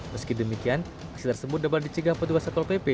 meski demikian aksi tersebut dapat dicegah petugas satpol pp